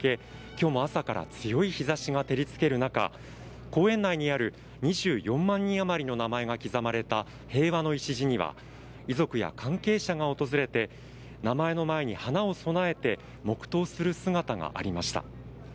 今日も朝から強い日差しが照りつける中公園内にある２４万人あまりの名前が刻まれた平和の礎には遺族や関係者が訪れて名前の前に花を供えて黙祷する姿がありました。